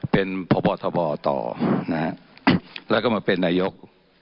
เป็นพพตนะครับแล้วก็มาเป็นนายก